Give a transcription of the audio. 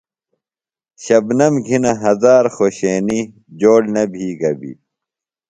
شبنمؔ گھِنہ ہزار خوشینیۡ جوڑ نہ بھی گبیۡ۔